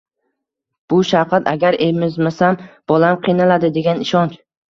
— bu shafqat, «agar emizmasam bolam qiynaladi», degan ishonch.